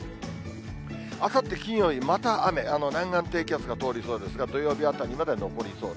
あさって金曜日、また雨、南岸低気圧が通りそうですが、土曜日辺りまで残りそう。